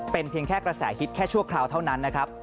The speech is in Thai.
เป็นเพียงแค่กระแสฮิตแค่ชั่วคราวเท่านั้นนะครับ